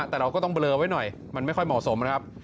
แต่เราก็ต้องเบลอไว้หน่อยมันไม่ค่อยเหมาะสมนะครับ